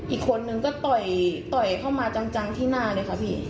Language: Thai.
อีกคนนึงก็ต่อยเข้ามาจังที่หน้าเลยค่ะพี่